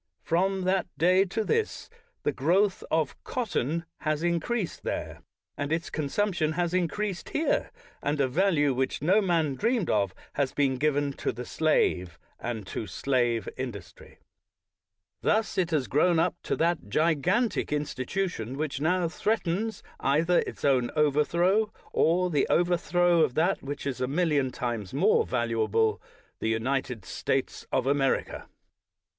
From that day to this the growth of cotton has increased there, and its consumption has increased here, and a value which no man dreamed of has been given to the slave and to slave industry. Thus it has grown 246 BRIGHT up tx) that gigantic institution which now threat ens either its own overthrow or the overthrow of that which is a million times more valuable — the United States of America.